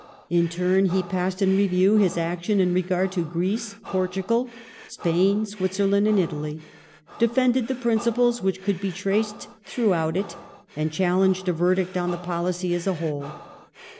In turn he passed in review his action in regard to Greece, Portugal, Spain, Switzerland, and Italy, defended the principles which could be traced throughout it, and challenged a verdict on the policy as a whole.